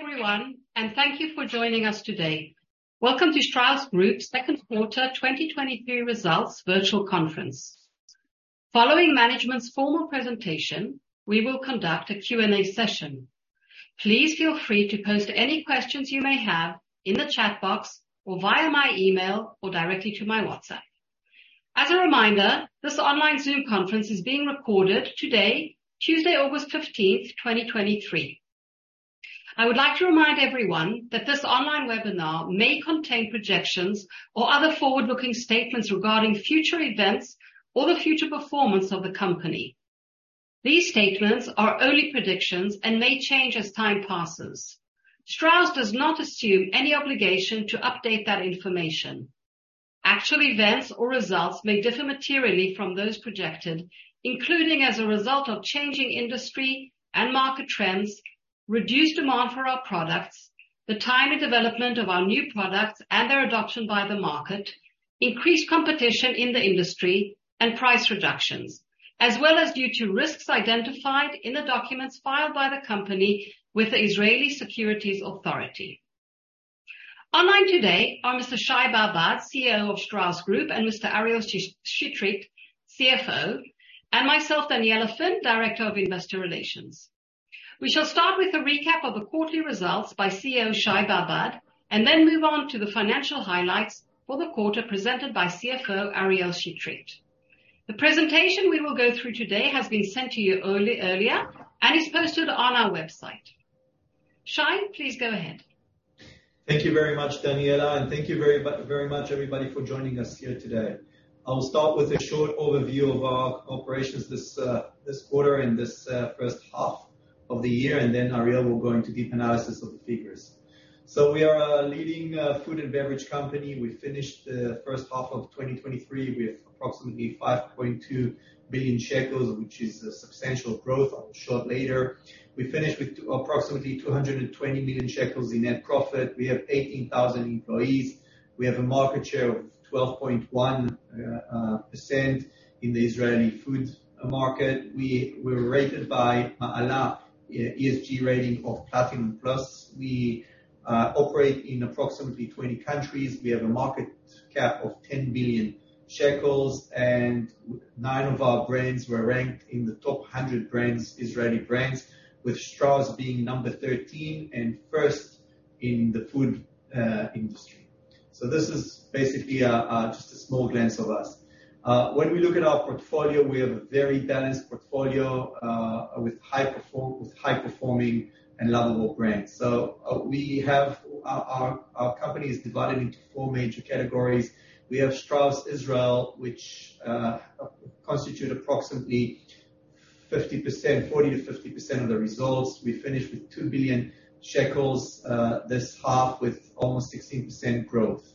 Hi, everyone, thank you for joining us today. Welcome to Strauss Group Q2 2023 results virtual conference. Following management's formal presentation, we will conduct a Q&A session. Please feel free to post any questions you may have in the chat box or via my email or directly to my WhatsApp. As a reminder, this online Zoom conference is being recorded today, Tuesday, August 15, 2023. I would like to remind everyone that this online webinar may contain projections or other forward-looking statements regarding future events or the future performance of the company. These statements are only predictions and may change as time passes. Strauss does not assume any obligation to update that information. Actual events or results may differ materially from those projected, including as a result of changing industry and market trends, reduced demand for our products, the time and development of our new products and their adoption by the market, increased competition in the industry and price reductions, as well as due to risks identified in the documents filed by the company with the Israel Securities Authority. Online today are Mr. Shai Babad, CEO of Strauss Group, and Mr. Ariel Chetrit, CFO, and myself, Daniella Finn, Director of Investor Relations. We shall start with a recap of the quarterly results by CEO, Shai Babad, and then move on to the financial highlights for the quarter presented by CFO, Ariel Chetrit. The presentation we will go through today has been sent to you earlier, and is posted on our website. Shai, please go ahead. Thank you very much, Daniella, and thank you very much, everybody, for joining us here today. I will start with a short overview of our operations this quarter and this first half of the year, and then, Ariel, will go into deep analysis of the figures. We are a leading food and beverage company. We finished the first half of 2023 with approximately 5.2 billion shekels, which is a substantial growth. I'll show it later. We finished with approximately 220 million shekels in net profit. We have 18,000 employees. We have a market share of 12.1% in the Israeli food market. We're rated by Maala ESG rating of Platinum Plus. We operate in approximately 20 countries. We have a market cap of 10 billion shekels. Nine of our brands were ranked in the top 100 brands, Israeli brands, with Strauss being number 13 and first in the food industry. This is basically just a small glance of us. When we look at our portfolio, we have a very balanced portfolio with high-performing and lovable brands. Our company is divided into four major categories. We have Strauss Israel, which constitute approximately 50%, 40%-50% of the results. We finished with 2 billion shekels this half, with almost 16% growth.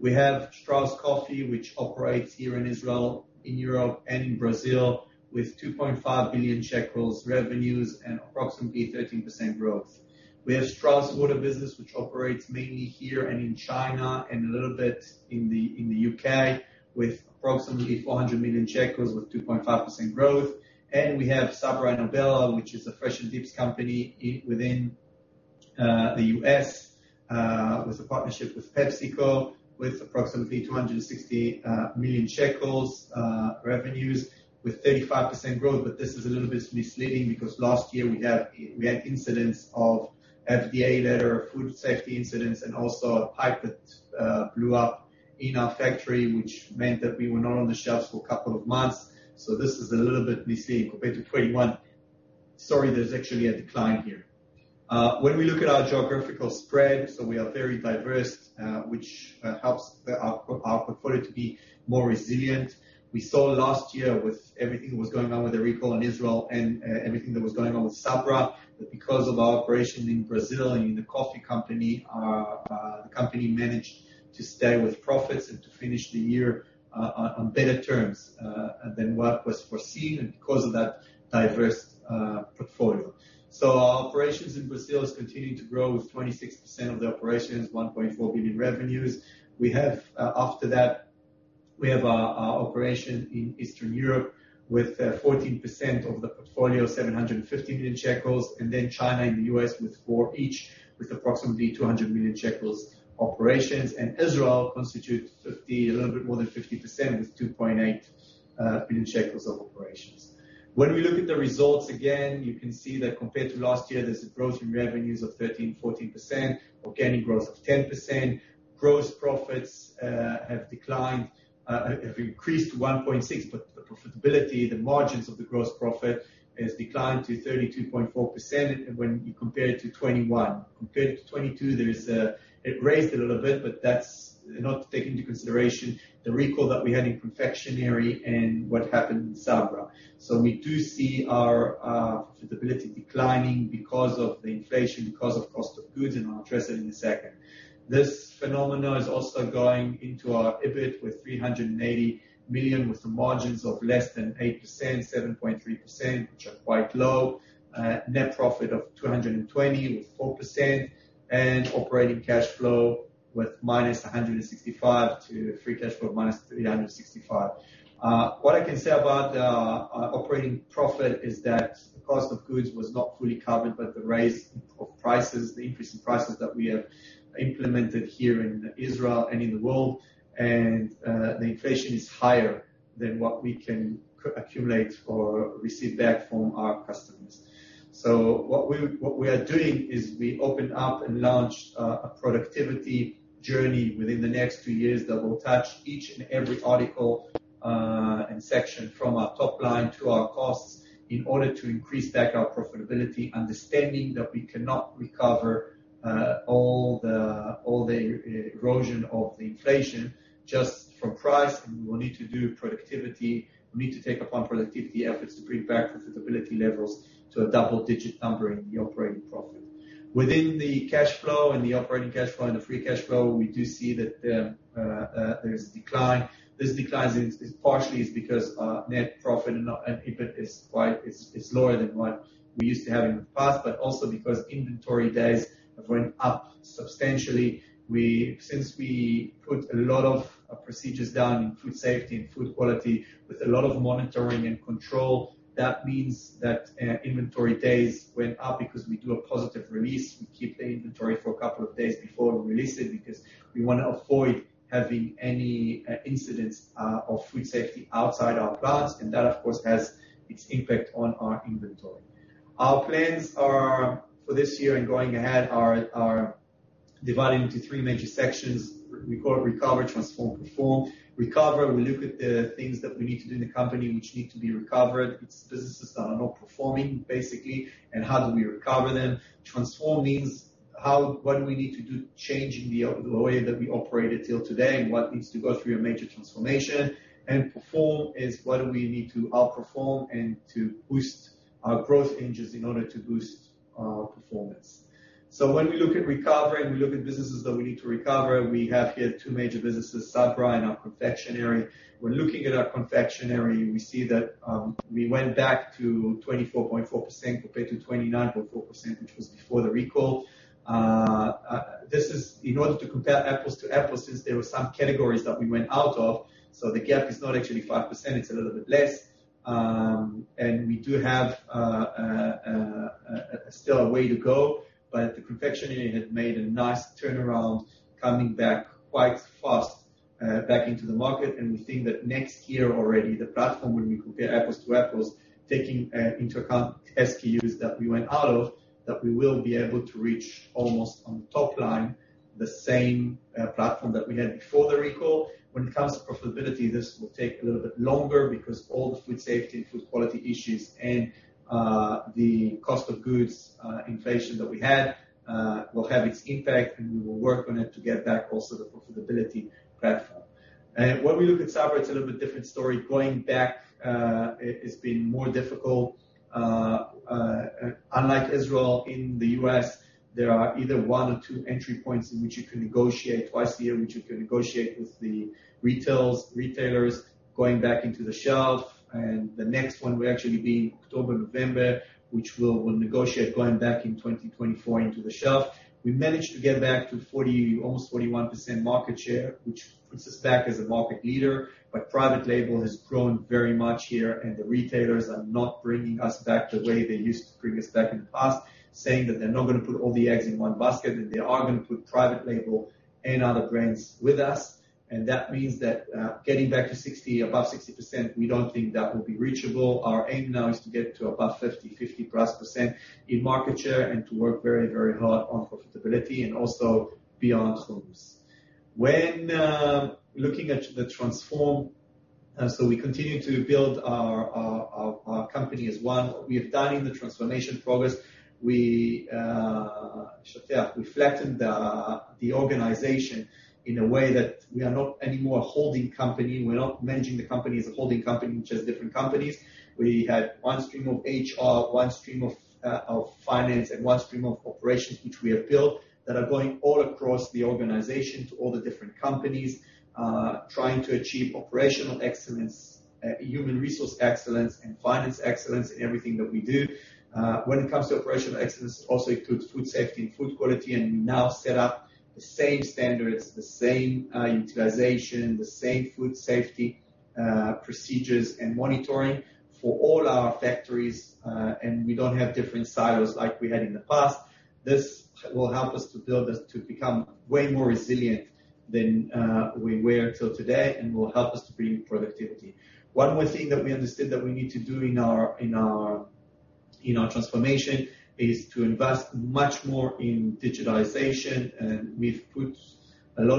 We have Strauss Coffee, which operates here in Israel, in Europe and in Brazil, with 2.5 billion shekels revenues and approximately 13% growth. We have Strauss Water Business, which operates mainly here and in China and a little bit in the U.K., with approximately 400 million shekels, with 2.5% growth. We have Sabra and Obela, which is a fresh and dips company within the U.S., with a partnership with PepsiCo, with approximately 260 million shekels revenues with 35% growth. This is a little bit misleading, because last year we had, we had incidents of FDA letter, food safety incidents, and also a pipe that blew up in our factory, which meant that we were not on the shelves for a couple of months. This is a little bit misleading. Compared to 2021, sorry, there's actually a decline here. When we look at our geographical spread, we are very diverse, which helps our portfolio to be more resilient. We saw last year with everything that was going on with the recall in Israel and everything that was going on with Sabra, that because of our operation in Brazil and in the coffee company, the company managed to stay with profits and to finish the year on better terms than what was foreseen, because of that diverse portfolio. Our operations in Brazil is continuing to grow with 26% of the operations, 1.4 billion revenues. We have, after that, we have our, our operation in Eastern Europe, with 14% of the portfolio, 750 million shekels, and then China and the US with 4% each, with approximately 200 million shekels operations. Israel constitutes 50, a little bit more than 50%, with 2.8 billion shekels of operations. When we look at the results, again, you can see that compared to last year, there's a growth in revenues of 13%-14%, organic growth of 10%. Gross profits have declined, have increased to 1.6 billion, but the profitability, the margins of the gross profit has declined to 32.4% when you compare it to 2021. Compared to 2022, there is a, It raised a little bit, that's not taking into consideration the recall that we had in confectionery and what happened in Sabra. We do see our profitability declining because of the inflation, because of cost of goods, and I'll address it in a second. This phenomenon is also going into our EBIT with NIS 380 million, with some margins of less than 8%, 7.3%, which are quite low. Net profit of NIS 220, with 4%. Operating cash flow with -NIS 165 to free cash flow -NIS 365. What I can say about the operating profit is that the cost of goods was not fully covered, but the rise of prices, the increase in prices that we have implemented here in Israel and in the world, and the inflation is higher than what we can accumulate or receive back from our customers. What we, what we are doing is we opened up and launched a productivity journey within the next two years that will touch each and every article and section from our top line to our costs in order to increase back our profitability, understanding that we cannot recover all the erosion of the inflation just from price, and we will need to do productivity. We need to take upon productivity efforts to bring back the profitability levels to a double-digit number in the operating profit. Within the cash flow and the operating cash flow and the free cash flow, we do see that there's a decline. This decline is partially because our net profit and not, and EBIT is quite, it's lower than what we used to have in the past, but also because inventory days have went up substantially. Since we put a lot of procedures down in food safety and food quality, with a lot of monitoring and control, that means that inventory days went up because we do a positive release. We keep the inventory for a couple of days before we release it, because we wanna avoid having any incidents of food safety outside our plants, and that, of course, has its impact on our inventory. Our plans are, for this year and going ahead, are divided into three major sections. We call it recover, transform, perform. Recover, we look at the things that we need to do in the company, which need to be recovered. It's businesses that are not performing basically, and how do we recover them? Transform means, what do we need to do, changing the, the way that we operated till today, and what needs to go through a major transformation? Perform is what do we need to outperform and to boost our growth engines in order to boost our performance. When we look at recover, and we look at businesses that we need to recover, we have here two major businesses, Sabra and our confectionery. When looking at our confectionery, we see that we went back to 24.4% compared to 29.4%, which was before the recall. In order to compare apples to apples, since there were some categories that we went out of, so the gap is not actually 5%, it's a little bit less. We do have still a way to go, but the confectionery had made a nice turnaround, coming back quite fast back into the market. We think that next year already, the platform, when we compare apples to apples, taking into account SKUs that we went out of, that we will be able to reach almost on the top line, the same platform that we had before the recall. When it comes to profitability, this will take a little bit longer because all the food safety, food quality issues and the cost of goods inflation that we had will have its impact, and we will work on it to get back also the profitability platform. When we look at Sabra, it's a little bit different story. Going back, it, it's been more difficult. Unlike Israel, in the US, there are either one or two entry points in which you can negotiate twice a year, which you can negotiate with the retails, retailers going back into the shelf, and the next one will actually be October, November, which we'll, we'll negotiate going back in 2024 into the shelf. We managed to get back to 40, almost 41% market share, which puts us back as a market leader, but private label has grown very much here, and the retailers are not bringing us back the way they used to bring us back in the past, saying that they're not going to put all the eggs in one basket, and they are going to put private label and other brands with us. That means that, getting back to 60, above 60%, we don't think that will be reachable. Our aim now is to get to above 50, 50 plus % in market share and to work very, very hard on profitability and also beyond homes. When looking at the transform, we continue to build our, our, our, our company as one. What we have done in the transformation progress, we flattened the organization in a way that we are not anymore a holding company. We're not managing the company as a holding company, which has different companies. We have one stream of HR, one stream of finance, and one stream of operations, which we have built, that are going all across the organization to all the different companies, trying to achieve operational excellence, human resource excellence, and finance excellence in everything that we do. When it comes to operational excellence, it also includes food safety and food quality, and we now set up the same standards, the same utilization, the same food safety procedures and monitoring for all our factories, and we don't have different silos like we had in the past. This will help us to build us to become way more resilient than we were until today, and will help us to bring productivity. One more thing that we understood that we need to do in our, in our, in our transformation is to invest much more in digitalization, and we've put a lot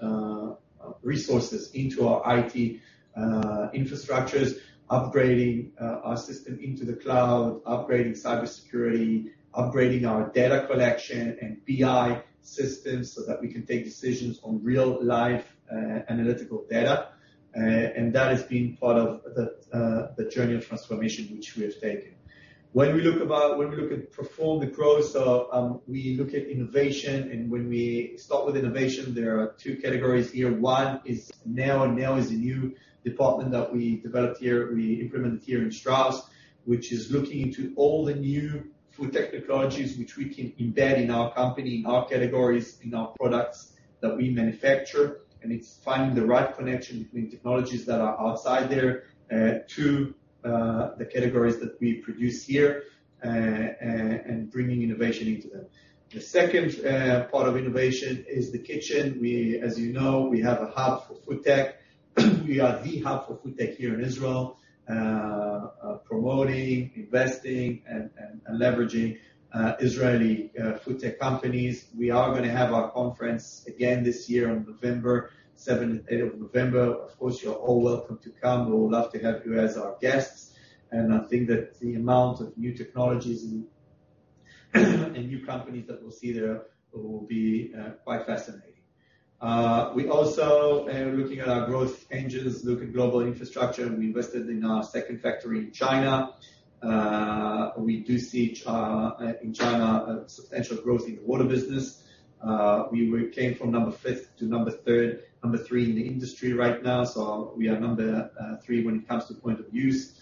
of resources into our IT infrastructures, upgrading our system into the cloud, upgrading cybersecurity, upgrading our data collection and BI systems, so that we can take decisions on real-life analytical data. That has been part of the journey of transformation, which we have taken. When we look at perform the growth, we look at innovation, and when we start with innovation, there are two categories here. One is Nail, and Nail is a new department that we developed here, we implemented here in Strauss, which is looking into all the new food technologies which we can embed in our company, in our categories, in our products that we manufacture. It's finding the right connection between technologies that are outside there, to the categories that we produce here, and bringing innovation into them. The second part of innovation is the kitchen. We, as you know, we have a hub for FoodTech. We are the hub for FoodTech here in Israel, promoting, investing, and leveraging Israeli FoodTech companies. We are gonna have our conference again this year on seventh and eighth of November. Of course, you're all welcome to come. We would love to have you as our guests, I think that the amount of new technologies and new companies that we'll see there will be quite fascinating. We also are looking at our growth engines, look at global infrastructure. We invested in our second factory in China. We do see in China a substantial growth in the water business. We came from number 5th to number 3rd, number 3 in the industry right now. We are number 3 when it comes to point of use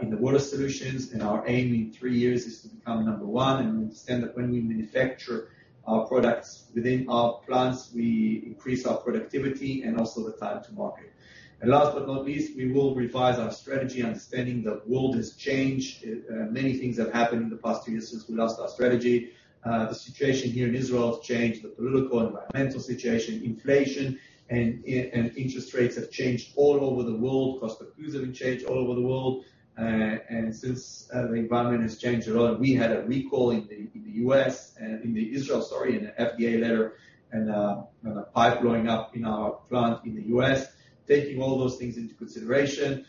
in the water solutions. Our aim in 3 years is to become number 1, and we understand that when we manufacture our products within our plants, we increase our productivity and also the time to market. Last but not least, we will revise our strategy, understanding the world has changed. Many things have happened in the past two years since we last our strategy. The situation here in Israel has changed, the political, environmental situation, inflation, and, and interest rates have changed all over the world. Cost of goods have changed all over the world. And since the environment has changed a lot, and we had a recall in the, in the US, in the Israel, sorry, in the FDA letter, and a pipe blowing up in our plant in the US. Taking all those things into consideration,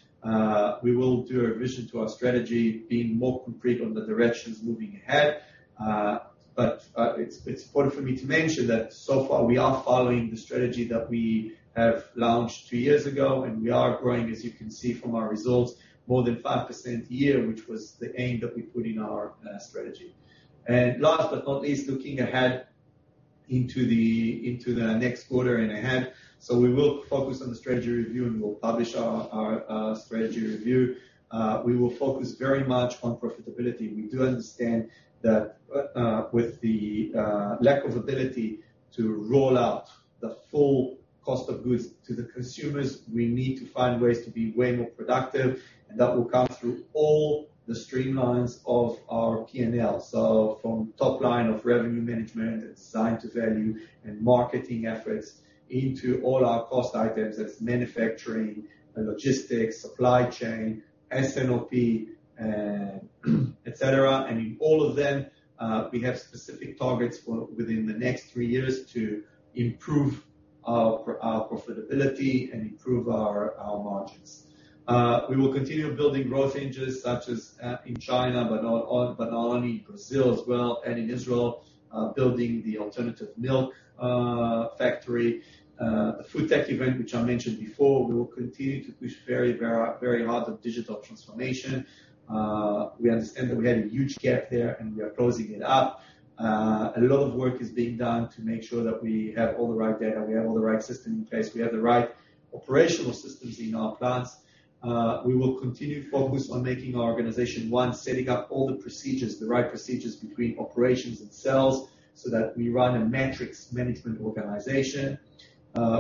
we will do a revision to our strategy, being more concrete on the directions moving ahead. It's important for me to mention that so far, we are following the strategy that we have launched 2 years ago, and we are growing, as you can see from our results, more than 5% a year, which was the aim that we put in our strategy. Last but not least, looking ahead into the next quarter and ahead. We will focus on the strategy review, and we'll publish our strategy review. We will focus very much on profitability. We do understand that, with the lack of ability to roll out the full cost of goods to the consumers, we need to find ways to be way more productive, and that will come through all the streamlines of our PNL. From top line of revenue management and Design to Value and marketing efforts into all our cost items, that's manufacturing, logistics, supply chain, S&OP, et cetera. In all of them, we have specific targets for within the next 3 years to improve our profitability and improve our margins. We will continue building growth engines such as in China, but not only Brazil as well, and in Israel, building the alternative milk factory. The FoodTech event, which I mentioned before, we will continue to push very, very, very hard on digital transformation. We understand that we had a huge gap there, and we are closing it up. A lot of work is being done to make sure that we have all the right data, we have all the right systems in place, we have the right operational systems in our plants. We will continue to focus on making our organization one, setting up all the procedures, the right procedures between operations and sales, so that we run a metrics management organization.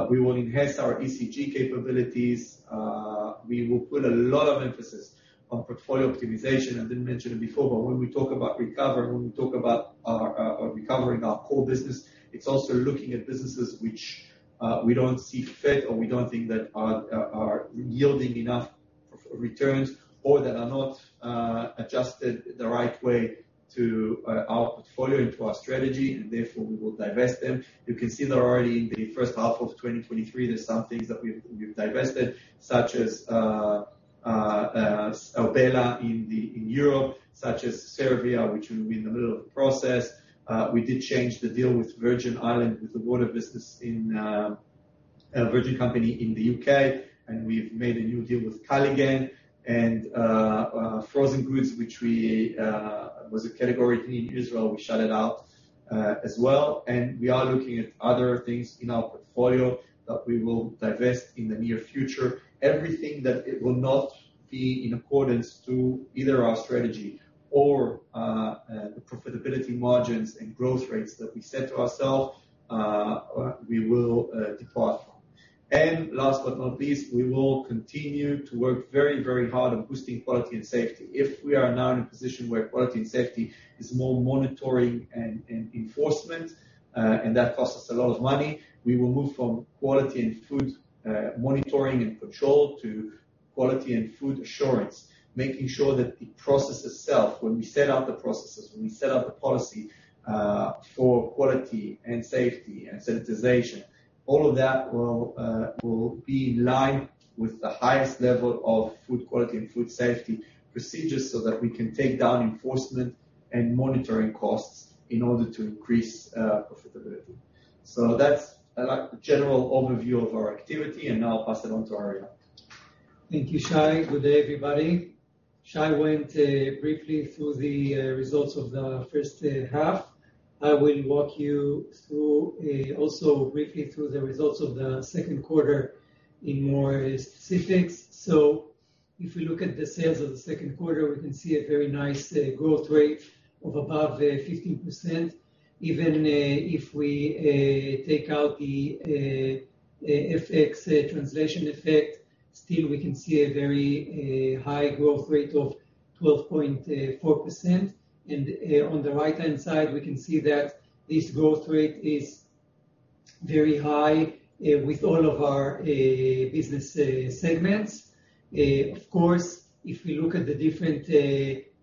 We will enhance our ESG capabilities. We will put a lot of emphasis on portfolio optimization. I didn't mention it before, but when we talk about recovery, when we talk about our recovering our core business, it's also looking at businesses which we don't see fit or we don't think that are yielding enough returns or that are not adjusted the right way to our portfolio, into our strategy, and therefore, we will divest them. You can see that already in the first half of 2023, there are some things that we've, we've divested, such as Obela in Europe, such as Serbia, which will be in the middle of the process. We did change the deal with Virgin, with the water business in a Virgin company in the UK, and we've made a new deal with Culligan. Frozen goods, which we was a category here in Israel, we shut it out as well. We are looking at other things in our portfolio that we will divest in the near future. Everything that it will not be in accordance to either our strategy or the profitability margins and growth rates that we set to ourselves, we will depart from. Last but not least, we will continue to work very, very hard on boosting quality and safety. If we are now in a position where quality and safety is more monitoring and enforcement, and that costs us a lot of money, we will move from quality and food monitoring and control to quality and food assurance. Making sure that the process itself, when we set out the processes, when we set out the policy, for quality and safety and sanitization, all of that will be in line with the highest level of food quality and food safety procedures, so that we can take down enforcement and monitoring costs in order to increase profitability. That's a, like, general overview of our activity, and now I'll pass it on to Ariel. Thank you, Shai. Good day, everybody. Shai went briefly through the results of the first half. I will walk you through also briefly through the results of the Q2 in more specifics. If we look at the sales of the Q2, we can see a very nice growth rate of above 15%. Even if we take out the FX translation effect, still we can see a very high growth rate of 12.4%. On the right-hand side, we can see that this growth rate is very high with all of our business segments. Of course, if we look at the different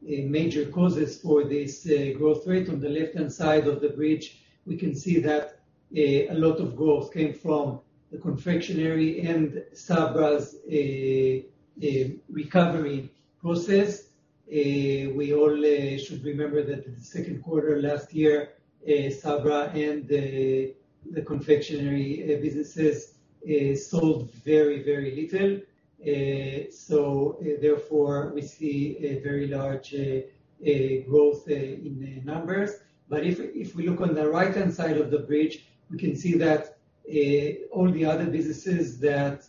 major causes for this growth rate, on the left-hand side of the bridge, we can see that a lot of growth came from the confectionery and Sabra's recovery process. We all should remember that in the Q2 last year, Sabra and the confectionery businesses sold very, very little. Therefore, we see a very large growth in the numbers. If we look on the right-hand side of the bridge, we can see that all the other businesses that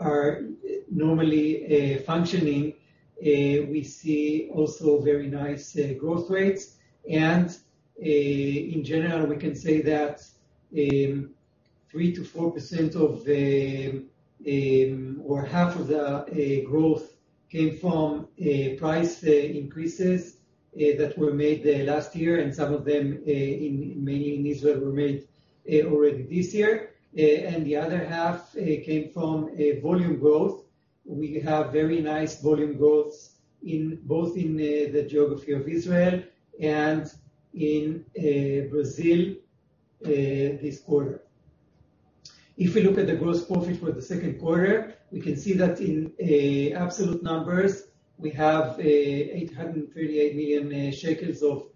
are normally functioning, we see also very nice growth rates. In general, we can say that 3%-4% of the or 50% of the growth came from price increases that were made last year, and some of them in mainly in Israel, were made already this year. The other 50% came from volume growth. We have very nice volume growths in both in the geography of Israel and in Brazil this quarter. If we look at the gross profit for the Q2, we can see that in absolute numbers, we have 838 million shekels of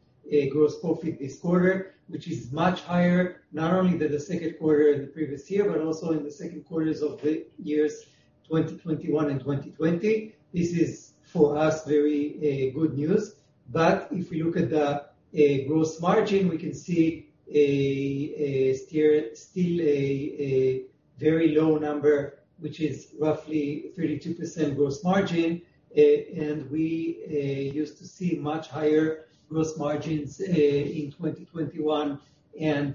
gross profit this quarter, which is much higher, not only than the Q2 in the previous year, but also in the Q2 of the years 2021 and 2020. This is, for us, very good news. If we look at the gross margin, we can see a still a very low number, which is roughly 32% gross margin. And we used to see much higher gross margins in 2021, and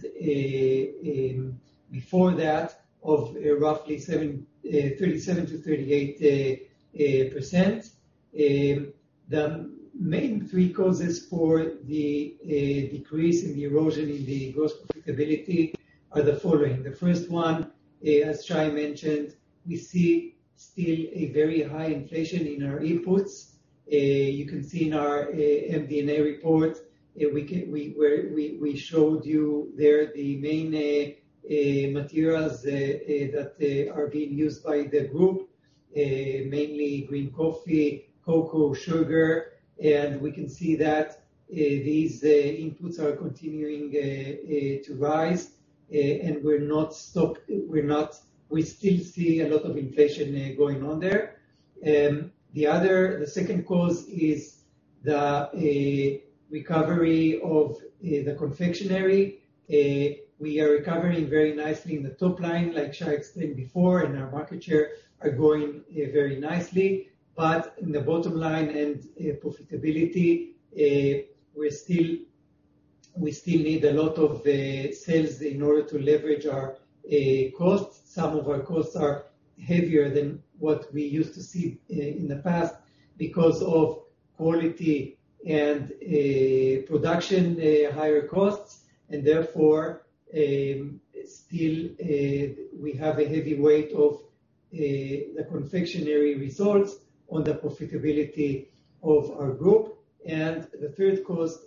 before that of roughly seven 37%-38%. The main three causes for the decrease in the erosion in the gross profitability are the following: The first one, as Shai mentioned, we see still a very high inflation in our inputs. You can see in our MD&A report, we showed you there the main materials that are being used by the group, mainly green coffee, cocoa, sugar. We can see that these inputs are continuing to rise, and we still see a lot of inflation going on there. The other, the second cause is the recovery of the confectionery. We are recovering very nicely in the top line, like Shai explained before, and our market share are going very nicely, but in the bottom line and profitability, we still need a lot of sales in order to leverage our costs. Some of our costs are heavier than what we used to see in the past because of quality and production, higher costs, and therefore, still, we have a heavy weight of the confectionery results on the profitability of our group. The third cause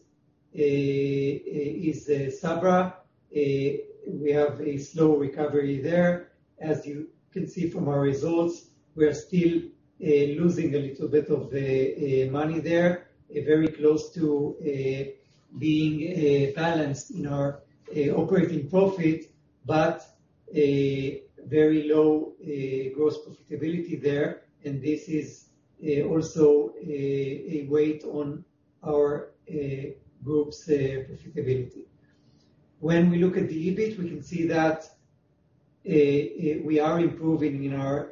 is Sabra. We have a slow recovery there. As you can see from our results, we are still losing a little bit of money there, very close to being balanced in our operating profit, but a very low gross profitability there, and this is also a weight on our Group's profitability. When we look at the EBIT, we can see that we are improving in our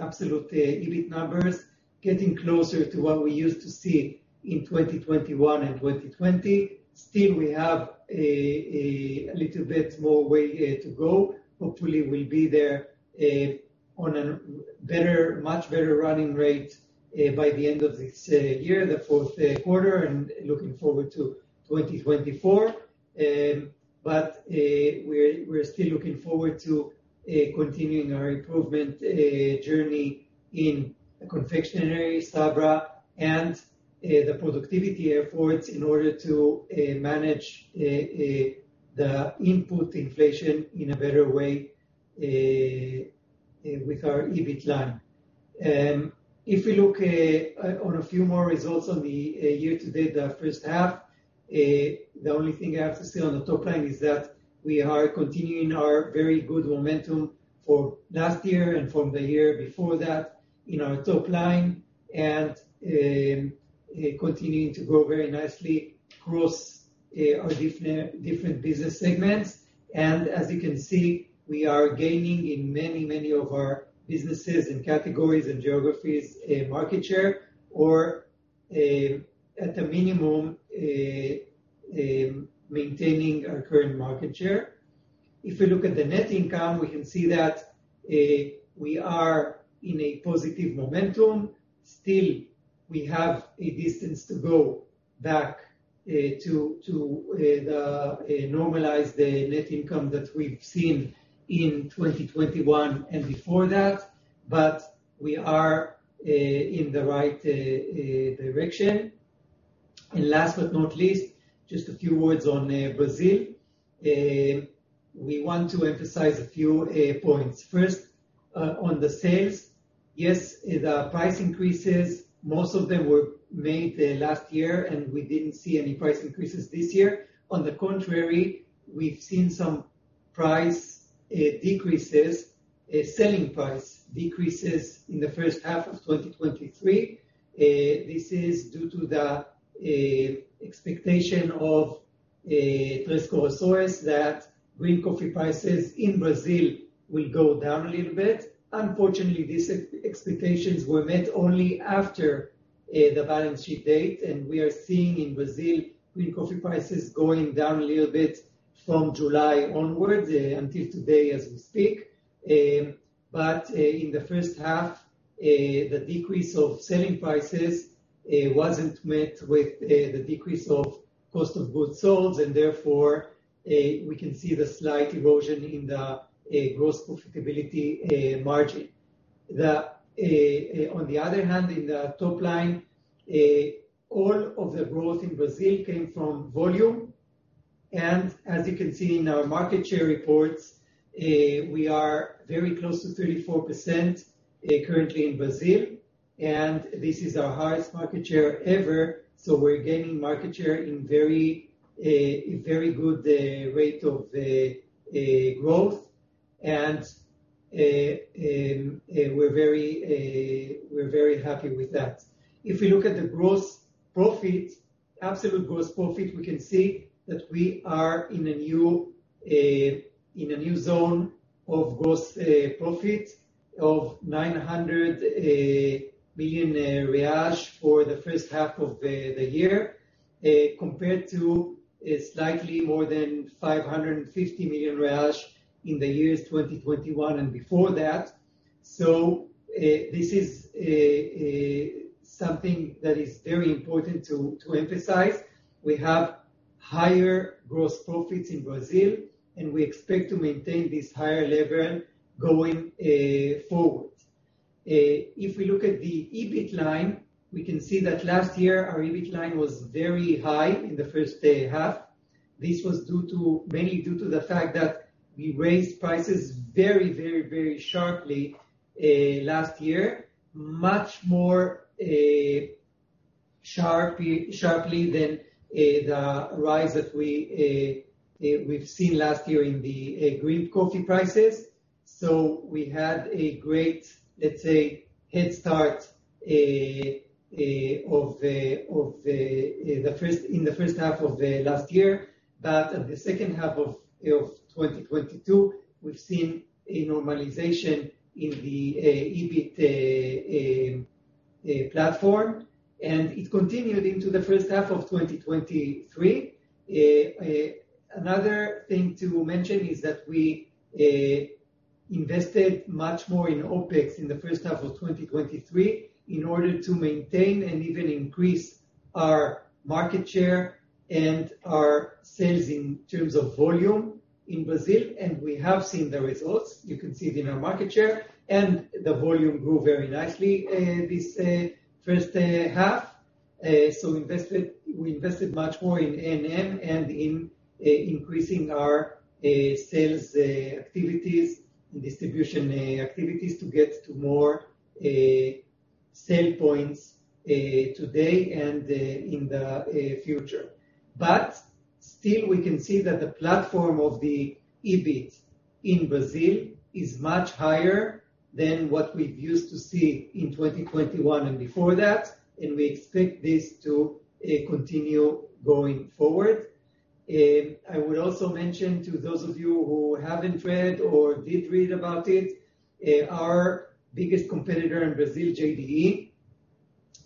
absolute EBIT numbers, getting closer to what we used to see in 2021 and 2020. Still, we have a little bit more way to go. Hopefully, we'll be there on an better, much better running rate by the end of this year, the Q4, and looking forward to 2024. We're, we're still looking forward to continuing our improvement journey in confectionery, Sabra, and the productivity efforts in order to manage the input inflation in a better way with our EBIT line. If we look on a few more results on the year to date, the first half, the only thing I have to say on the top line is that we are continuing our very good momentum from last year and from the year before that in our top line. Continuing to grow very nicely across our different, different business segments. As you can see, we are gaining in many, many of our businesses, and categories, and geographies, a market share, or at a minimum, maintaining our current market share. If we look at the net income, we can see that we are in a positive momentum. Still, we have a distance to go back to normalize the net income that we've seen in 2021 and before that, but we are in the right direction. Last but not least, just a few words on Brazil. We want to emphasize a few points. First, on the sales. Yes, the price increases, most of them were made last year, and we didn't see any price increases this year. On the contrary, we've seen some price decreases, selling price decreases in the first half of 2023. This is due to the expectation of Três Corações that green coffee prices in Brazil will go down a little bit. Unfortunately, these ex-expectations were met only after the balance sheet date. We are seeing in Brazil, green coffee prices going down a little bit from July onwards, until today as we speak. In the first half, the decrease of selling prices wasn't met with the decrease of cost of goods sold. Therefore, we can see the slight erosion in the gross profitability margin. On the other hand, in the top line, all of the growth in Brazil came from volume. As you can see in our market share reports, we are very close to 34% currently in Brazil, and this is our highest market share ever. We're gaining market share in very, a, a very good rate of growth, and we're very, we're very happy with that. If we look at the gross profit, absolute gross profit, we can see that we are in a new, in a new zone of gross profit of 900 million reais for the first half of the year, compared to a slightly more than 550 million reais in the years 2021 and before that. This is a something that is very important to emphasize. We have higher gross profits in Brazil, and we expect to maintain this higher level going forward. If we look at the EBIT line, we can see that last year our EBIT line was very high in the first half. This was mainly due to the fact that we raised prices very, very, very sharply last year, much more sharply, sharply than the rise that we've seen last year in the green coffee prices. We had a great, let's say, head start in the first half of last year. At the second half of 2022, we've seen a normalization in the EBIT platform, and it continued into the first half of 2023. Another thing to mention is that we invested much more in OpEx in the first half of 2023 in order to maintain and even increase our market share and our sales in terms of volume in Brazil, and we have seen the results. You can see it in our market share, and the volume grew very nicely, this 1st half. We invested much more in A&M and in increasing our sales activities and distribution activities to get to more sale points today and in the future. Still, we can see that the platform of the EBIT in Brazil is much higher than what we've used to see in 2021 and before that, and we expect this to continue going forward. on to those of you who haven't read or did read about it, our biggest competitor in Brazil, JDE,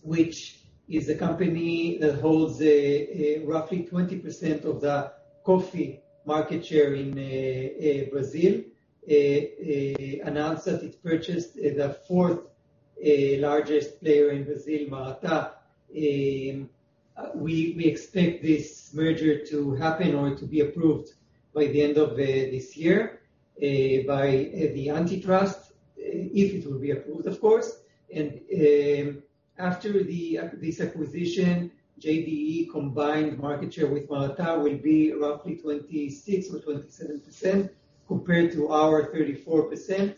which is a company that holds roughly 20% of the coffee market share in Brazil, announced that it purchased the 4th largest player in Brazil, Maratá. We expect this merger to happen or to be approved by the end of this year by the antitrust, if it will be approved, of course. After this acquisition, JDE combined market share with Maratá will be roughly 26%-27%, compared to our 34%.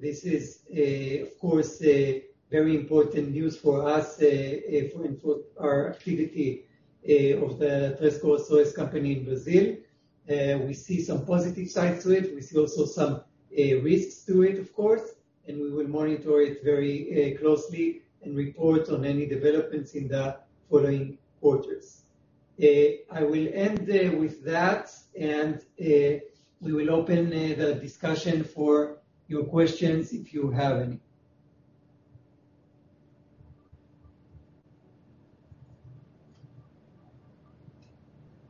This is, of course, a very important news for us and for our activity of the Tres Coracoes company in Brazil, we see some positive sides to it. We see also some risks to it, of course, and we will monitor it very closely and report on any developments in the following quarters. I will end there with that, and we will open the discussion for your questions, if you have any.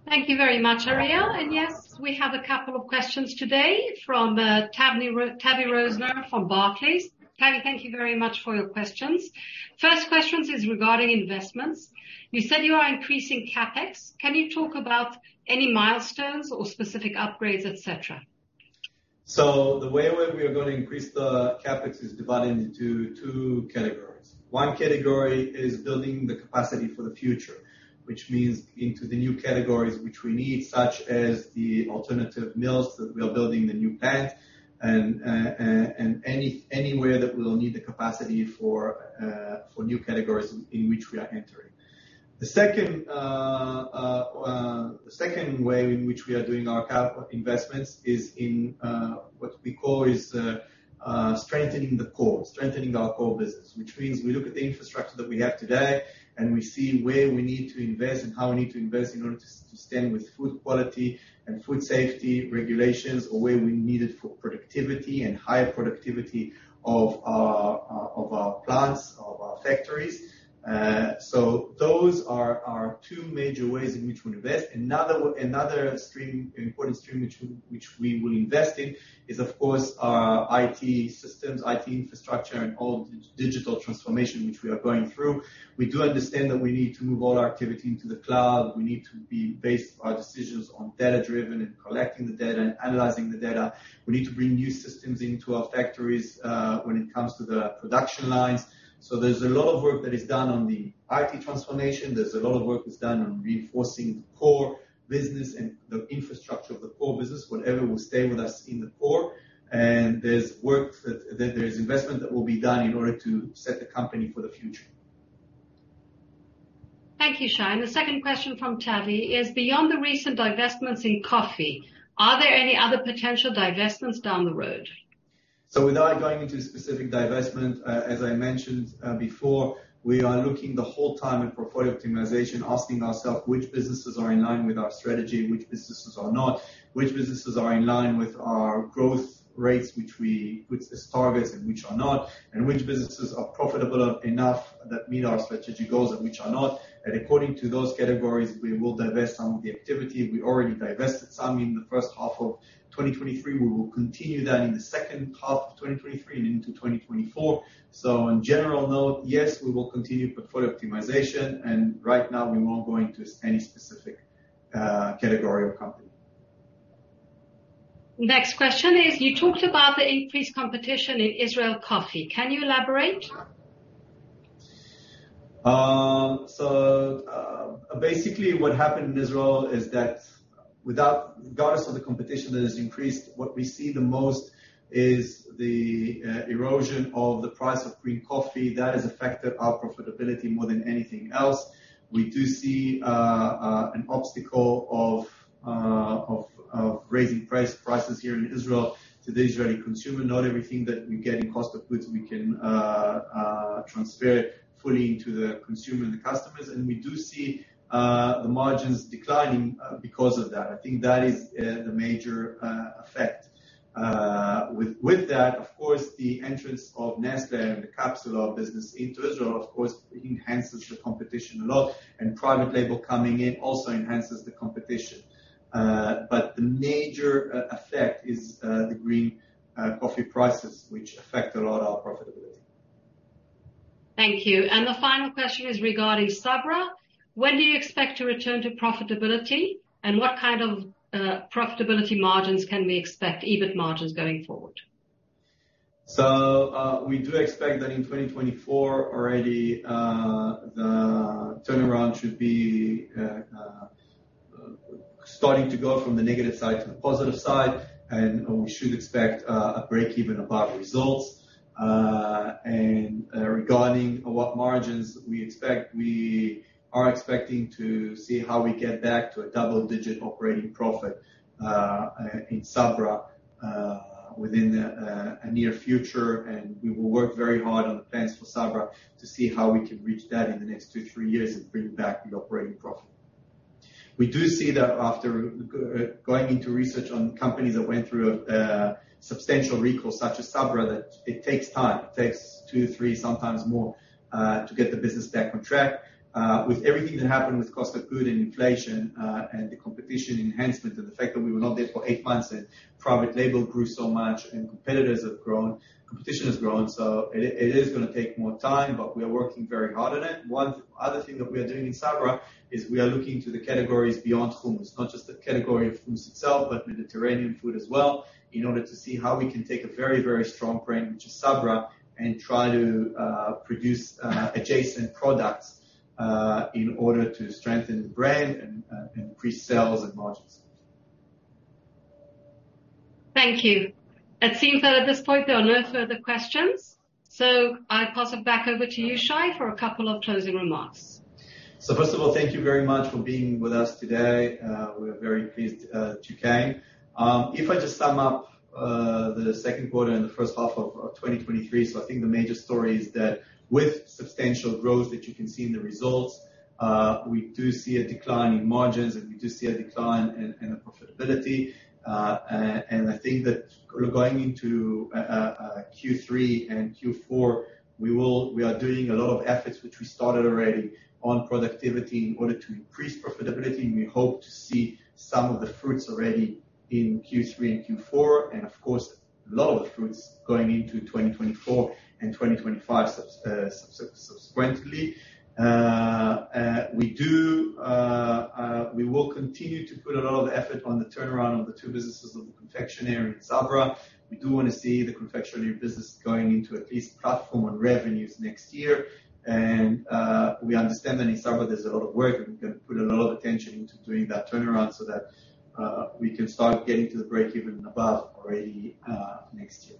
Thank you very much, Ariel. Yes, we have a couple of questions today from Tavy Rosner from Barclays. Tavy, thank you very much for your questions. First questions is regarding investments: You said you are increasing CapEx. Can you talk about any milestones or specific upgrades, et cetera? So The way in which we are going to increase the CapEx is divided into two categories. One category is building the capacity for the future, which means into the new categories which we need, such as the alternative milk, that we are building the new plant, and anywhere that we'll need the capacity for new categories in which we are entering. The second, the second way in which we are doing our cap investments is in what we call is strengthening the core, strengthening our core business. Which means we look at the infrastructure that we have today, and we see where we need to invest and how we need to invest in order to, to stand with food quality and food safety regulations, or where we need it for productivity and higher productivity of our, of our plants, of our factories. Those are our two major ways in which we invest. Another w-- another stream, important stream which we, which we will invest in is, of course, our IT systems, IT infrastructure, and all the digital transformation which we are going through. We do understand that we need to move all our activity into the cloud. We need to be based our decisions on data-driven and collecting the data and analyzing the data. We need to bring new systems into our factories, when it comes to the production lines, so There's a lot of work that is done on the IT transformation. There's a lot of work that's done on reinforcing the core business and the infrastructure of the core business, whatever will stay with us in the core. There's investment that will be done in order to set the company for the future. Thank you, Shai. The second question from Tavy is: Beyond the recent divestments in coffee, are there any other potential divestments down the road? Without going into specific divestment, as I mentioned before, we are looking the whole time at portfolio optimization, asking ourselves which businesses are in line with our strategy, which businesses are not? Which businesses are in line with our growth rates, which is targets and which are not, and which businesses are profitable enough that meet our strategic goals and which are not. According to those categories, we will divest some of the activity. We already divested some in the 1st half of 2023. We will continue that in the 2nd half of 2023 and into 2024. In general, note, yes, we will continue portfolio optimization, and right now, we won't go into any specific category or company. Next question is: You talked about the increased competition in Israel coffee. Can you elaborate? ppened in Israel is that regardless of the competition that has increased, what we see the most is the erosion of the price of green coffee. That has affected our profitability more than anything else. We do see an obstacle of raising prices here in Israel to the Israeli consumer. Not everything that we get in cost of goods, we can transfer fully into the consumer and the customers, and we do see the margins declining because of that. I think that is the major effect. With that, of course, the entrance of Nestlé and the capsule business into Israel, of course, enhances the competition a lot, and private label coming in also enhances the competition The major effect is the green coffee prices, which affect a lot of our profitability. Thank you. The final question is regarding Sabra: When do you expect to return to profitability, and what kind of profitability margins can we expect, EBIT margins going forward? We do expect that in 2024 already, the turnaround should be starting to go from the negative side to the positive side, we should expect a break-even above results. Regarding what margins we expect, we are expecting to see how we get back to a double-digit operating profit in Sabra within the a near future. We will work very hard on the plans for Sabra to see how we can reach that in the next two, three years and bring back the operating profit. We do see that after going into research on companies that went through a substantial recall, such as Sabra, that it takes time. It takes two, three, sometimes more, to get the business back on track. With everything that happened with cost of food and inflation, and the competition enhancement, and the fact that we were not there for 8 months and private label grew so much and competitors have grown, competition has grown, so it is gonna take more time, but we are working very hard on it. One other thing that we are doing in Sabra is we are looking to the categories beyond hummus. Not just the category of hummus itself, but Mediterranean food as well, in order to see how we can take a very, very strong brand, which is Sabra, and try to produce adjacent products in order to strengthen the brand and increase sales and margins. Thank you. It seems that at this point, there are no further questions, so I pass it back over to you, Shai, for a couple of closing remarks. First of all, thank you very much for being with us today. We're very pleased, you came. If I just sum up the Q2 and the first half of 2023, I think the major story is that with substantial growth that you can see in the results, we do see a decline in margins, and we do see a decline in the profitability. I think that going into Q3 and Q4, we are doing a lot of efforts, which we started already on productivity in order to increase profitability, and we hope to see some of the fruits already in Q3 and Q4, and of course, a lot of fruits going into 2024 and 2025, subsequently. we do, we will continue to put a lot of effort on the turnaround of the two businesses of the confectionery and Sabra. We do want to see the confectionery business going into at least platform on revenues next year. We understand that in Sabra there's a lot of work, and we're gonna put a lot of attention into doing that turnaround so that we can start getting to the break-even above already next year.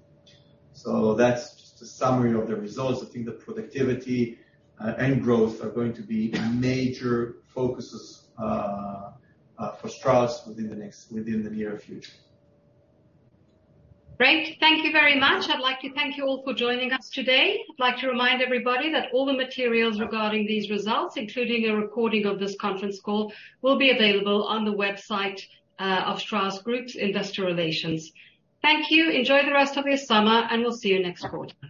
That's just a summary of the results. I think the productivity and growth are going to be major focuses for Strauss within the near future. Great. Thank you very much. I'd like to thank you all for joining us today. I'd like to remind everybody that all the materials regarding these results, including a recording of this conference call, will be available on the website of Strauss Group's Investor Relations. Thank you. Enjoy the rest of your summer, and we'll see you next quarter.